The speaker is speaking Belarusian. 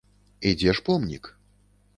І дзе ж помнік?